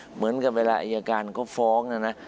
เหมือนกับเวลาอายการเขาฟ้องนะนะ